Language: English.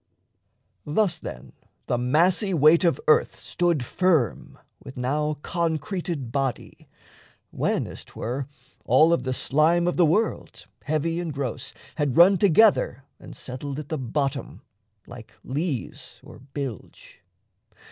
Thus, then, the massy weight of earth stood firm With now concreted body, when (as 'twere) All of the slime of the world, heavy and gross, Had run together and settled at the bottom, Like lees or bilge.